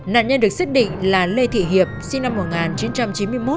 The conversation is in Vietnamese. nạn nhân được xác định là lê thị hiệp sinh năm một nghìn chín trăm chín mươi một